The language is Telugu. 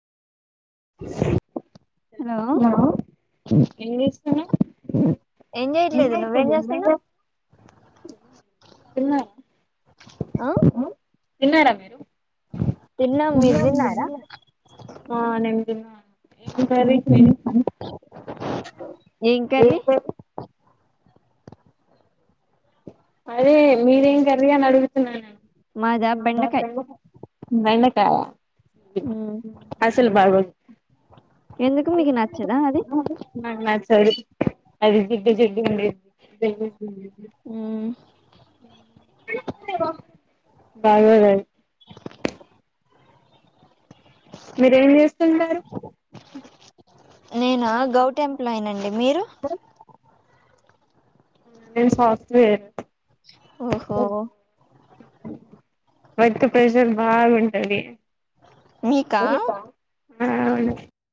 హలో హ ఏం చేస్తన్నావ్ ఏం చేయట్లేదు నువ్వేం లేదు చేస్తున్నావ్ బ్రో చిన్న ఆ తిన్నారా మీరు తిన్నాం ఒకే మీరు ఒక తిన్నారా ఉండు సపనం ఏ కర్రీ ఉహు చేసినవ్ ఏం కర్రీ అదే మీరేం కర్రీ అని అడుగుతున్నాను మాద బెండకాయ బెండకాయ అసలు బాగోదు ఎందుకు మీకు నచ్చదా అది నాకు నచ్చలేదు అది జిడ్డు జిడ్డుగ ఉంటది బయమేతుంది మ్మ్. బబరయి మీరేం చేస్తుంటారు నేనా గౌట్ ఎంప్లాయ్ నండి మీరు వు నేను సాఫ్ట్ వేర్ ఓహో వర్క్ ప్రెషర్ బాగుంటది మీకా ఆ అవును